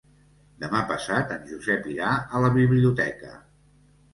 Demà passat en Josep irà a la biblioteca.